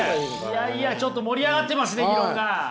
いやいやちょっと盛り上がってますね議論が！